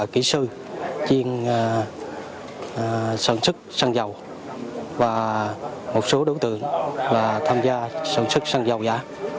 kỹ sư chiên sản xuất xăng dầu và một số đối tượng tham gia sản xuất xăng dầu giả